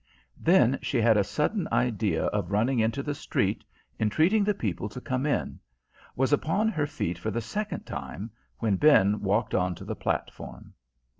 Then she had a sudden idea of running into the street, entreating the people to come in; was upon her feet for the second time, when Ben walked on to the platform.